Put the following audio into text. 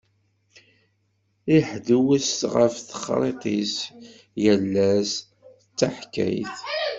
Iḥdewwes ɣef texṛiṭ-is, yal ass d taḥkayt.